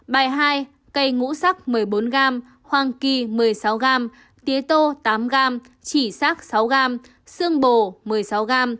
bài hai cây ngũ sắc một mươi bốn g hoang kỳ một mươi sáu g tía tô tám g chỉ sắc sáu g xương bồ một mươi sáu g